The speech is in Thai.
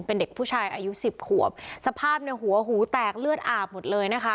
เป็นเด็กผู้ชายอายุสิบขวบสภาพเนี่ยหัวหูแตกเลือดอาบหมดเลยนะคะ